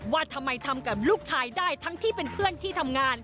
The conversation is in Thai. ว่าทำไมทำกับลูกชายได้ทั้งที่เป็นเพื่อนที่ทำงาน